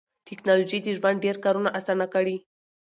ټکنالوژي د ژوند ډېر کارونه اسانه کړي